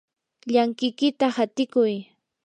llankikiyta hatikuy.